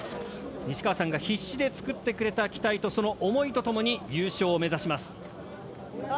西川さんが必死で作ってくれた機体とその想いとともに優勝を目指します。